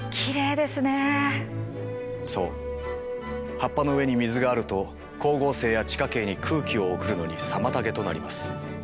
葉っぱの上に水があると光合成や地下茎に空気を送るのに妨げとなります。